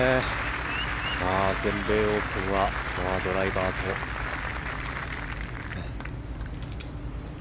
全米オープンはドライバーと。